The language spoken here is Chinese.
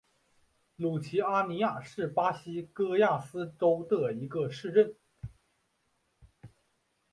卢齐阿尼亚是巴西戈亚斯州的一个市镇。